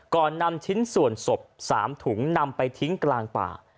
นำชิ้นส่วนศพ๓ถุงนำไปทิ้งกลางป่า